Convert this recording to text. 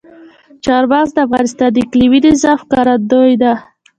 چار مغز د افغانستان د اقلیمي نظام ښکارندوی ده.